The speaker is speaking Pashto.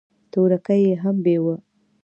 تورکى يې هم بېوه.